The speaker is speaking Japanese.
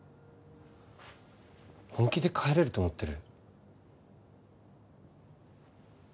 本気で帰れると思ってる？